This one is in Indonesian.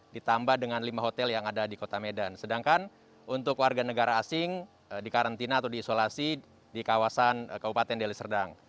ditambah dengan lima hotel yang ada di kota medan sedangkan untuk warga negara asing di karantina atau diisolasi di kawasan kabupaten deli serdang